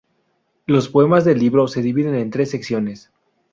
Los poemas del libro se dividen en tres secciones.